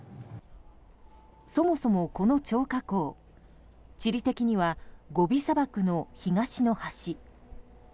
そもそも、この張家口地理的にはゴビ砂漠の東の端。